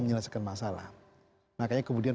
menyelesaikan masalah makanya kemudian